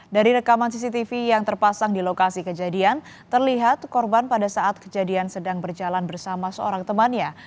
dari rekaman cctv yang terpasang di lokasi kejadian terlihat korban pada saat kejadian sedang berjalan bersama seorang temannya